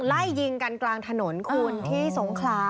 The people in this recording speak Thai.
ไล่ยิงกันกลางถนนคุณที่สงขลา